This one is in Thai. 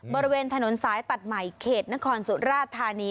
บริเวณถนนสายตัดใหม่เขตนครสุราธานี